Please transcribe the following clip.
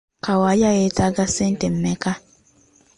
Kawalya yeetaaga ssente mmeka?